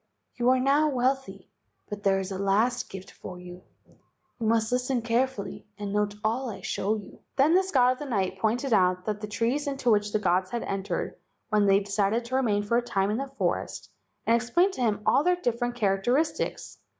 You are now wealthy, but there is a last gift for you. You must listen carefully and note all I show you." Then this god of the night pointed out the trees into which the gods had entered when they decided to remain for a time in the forest, and explained to him all their different characteris¬ tics.